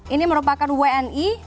ini merupakan wni